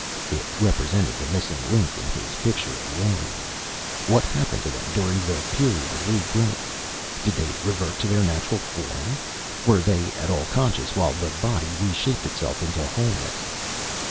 It represented the missing link in his picture of the aliens. What happened to them during the period of regrowth? Did they revert to their natural form? Were they at all conscious while the body reshaped itself into wholeness?